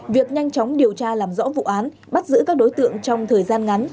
việc nhanh chóng điều tra làm rõ vụ án bắt giữ các đối tượng trong thời gian ngắn